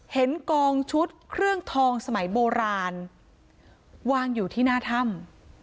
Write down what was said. เห็นกองชุดเครื่องทองสมัยโบราณวางอยู่ที่หน้าถ้ำ